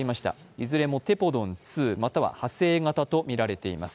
いずれもテポドン２、あるいは派生型とみられています。